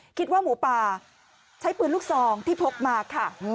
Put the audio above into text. คิดว่าหมูป่าใช้ปืนลูกซองที่พกมาค่ะ